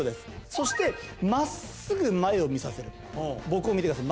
そしてまっすぐ前を見させる僕を見てください